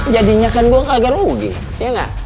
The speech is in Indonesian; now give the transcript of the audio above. jadinya kan gue kagak rugi ya enggak